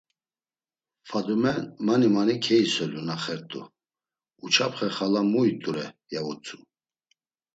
Fadume mani mani keiselu na xert̆u: “Uçapxe xala mu it̆ure!” ya utzu.